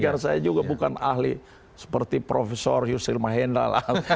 karena saya juga bukan ahli seperti profesor yusril mahendral